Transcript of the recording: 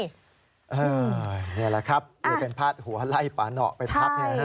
นี่แหละครับนี่เป็นพาดหัวไล่ปาหนอไปพัก